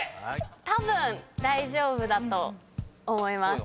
たぶん大丈夫だと思います。